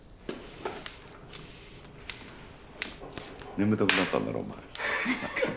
眠たくなったんだろお前。